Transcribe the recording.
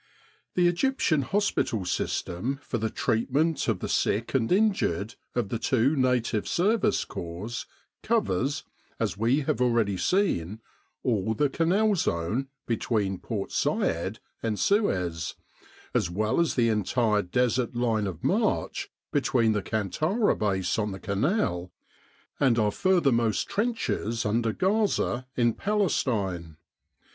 The Egyptian hospital system for the treatment of the sick and injured of the two native Service Corps, covers, as we have already seen, all the Canal zone between Port Said and Suez, as well as the entire Desert line of march between the Kantara Base on the Canal and our furthermost trenches under Gaza in Palestine.